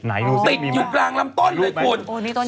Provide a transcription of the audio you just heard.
ติดอยู่กลางลำต้นเลยคน